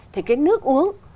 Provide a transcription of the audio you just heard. thì cái nước uống